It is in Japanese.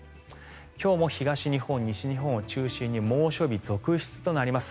今日も東日本、西日本中心に猛暑日続出となります。